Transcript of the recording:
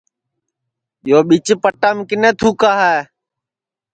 یو پیچ پٹام کِنے تُھکا ہے